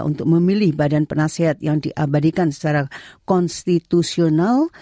untuk memilih badan penasehat yang diabadikan secara konstitusional